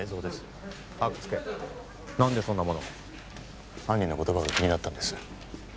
何でそんなものを犯人の言葉が気になったんです